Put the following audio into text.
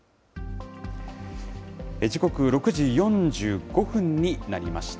時刻６時４５分になりました。